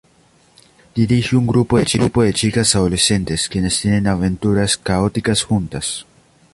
Dirige un grupo de chicas adolescentes, quienes tienen aventuras caóticas juntas.